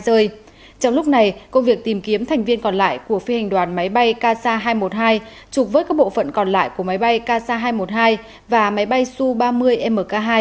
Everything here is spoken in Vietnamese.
trong lúc này công việc tìm kiếm thành viên còn lại của phi hành đoàn máy bay ksa hai trăm một mươi hai trục với các bộ phận còn lại của máy bay ksa hai trăm một mươi hai và máy bay su ba mươi mk hai